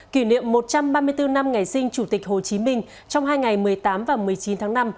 kỷ niệm một trăm ba mươi bốn năm ngày sinh chủ tịch hồ chí minh trong hai ngày một mươi tám và một mươi chín tháng năm